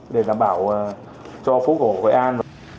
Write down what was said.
để đảm bảo cho phố cổ hội an